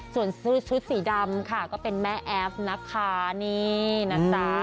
ส่วนชุดสีดำค่ะก็เป็นแม่แอฟนะคะนี่นะจ๊ะ